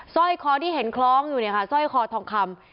ส้อยคอที่เห็นคล้องส้อยคอทองคำ